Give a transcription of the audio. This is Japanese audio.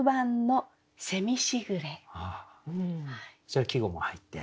それは季語も入って。